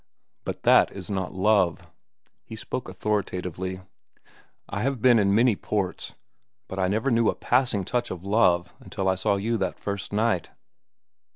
"But that is not love." He spoke authoritatively. "I have been in many ports, but I never knew a passing touch of love until I saw you that first night.